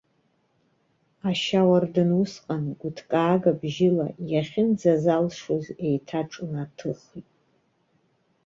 Ашьауардын усҟан, гәыҭкаага бжьыла, иахьынӡазалшоз еиҭаҿнаҭыхит.